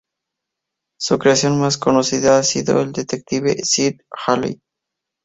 Su creación más conocida ha sido el detective Sid Haley.